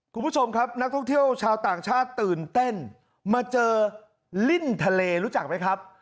คุณผู้ชมครับนักท่องเที่ยวชาวต่างชาติตื่นเต้นมาเจอลิ้นทะเลรู้จักไหมครับ